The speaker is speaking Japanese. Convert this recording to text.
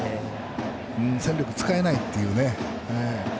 戦力が使えないという。